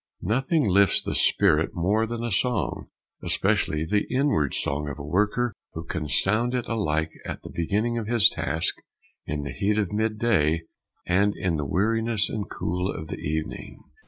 Nothing lifts the spirit more than a song, especially the inward song of a worker who can sound it alike at the beginning of his task, in the heat of midday, and in the weariness and cool of the evening.